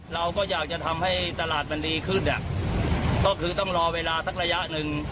เราก็อยากจะทำให้ตลาดมันดีขึ้นอ่ะก็คือต้องรอเวลาสักระยะหนึ่ง